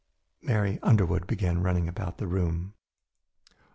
Mary Underwood began running about the room.